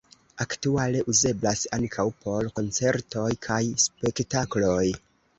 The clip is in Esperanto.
Aktuale uzeblas ankaŭ por koncertoj kaj spektakloj.